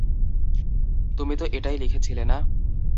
তুমি তো এটাই লিখেছিলে না?